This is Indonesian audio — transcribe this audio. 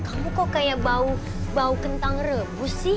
kamu kok kayak bau bau kentang rebus sih